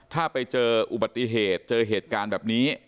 ถ้าไปเจออุบัติเหตุเจอเหตุการณ์แบบนี้